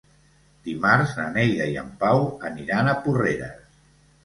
Dimarts na Neida i en Pau aniran a Porreres.